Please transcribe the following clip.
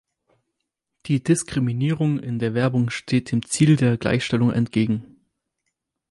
Die Diskriminierung in der Werbung steht dem Ziel der Gleichstellung entgegen.